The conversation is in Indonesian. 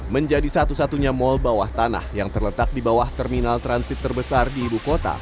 menjadi satu satunya mal bawah tanah yang terletak di bawah terminal transit terbesar di ibu kota